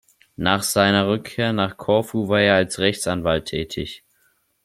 Nach seiner Rückkehr nach Korfu war er als Rechtsanwalt tätig.